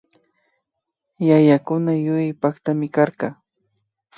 Yayakuna yuyay pakchimi karka